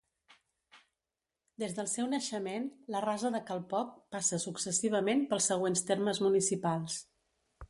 Des del seu naixement, la Rasa de Cal Poc passa successivament pels següents termes municipals.